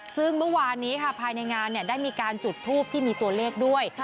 ซึ่งเมื่อวานนี้ค่ะภายในงานได้มีการจุดทูปที่มีตัวเลขด้วย